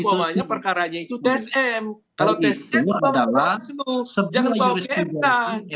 kalau tsm mau membuktikan soekarno karang jangan bawa ke pma